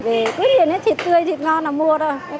về quyết định thịt tươi thịt ngon là mua thôi